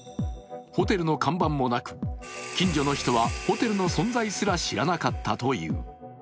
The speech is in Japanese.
ホテルの看板もなく、近所の人はホテルの存在すら知らなかったという。